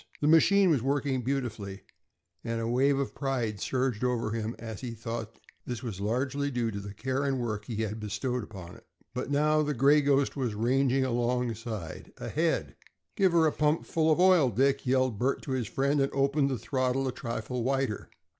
The machine was working beautifully, and a wave of pride surged over him as he thought that this was largely due to the care and work he had bestowed upon it. But now the "Gray Ghost" was ranging alongside ahead "Give her a pump full of oil, Dick," yelled Bert to his friend, and opened the throttle a trifle wider.